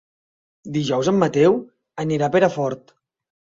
Dijous en Mateu anirà a Perafort.